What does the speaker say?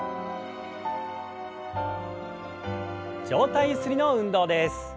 上体ゆすりの運動です。